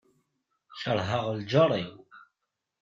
Kerheɣ lǧar-iw.